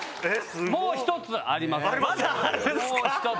もう１つあります。